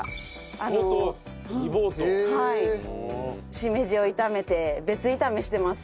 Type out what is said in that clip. しめじを炒めて別炒めしてます。